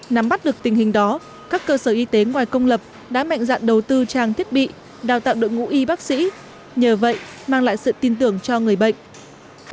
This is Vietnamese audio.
nắm bắt được tình hình đó các cơ sở y tế ngoài công lập đã mạnh dạn đầu tư trang thiết bị đào tạo đội ngũ y bác sĩ nhờ vậy mang lại sự tin tưởng cho người bệnh